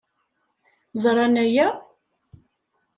Ẓran aya?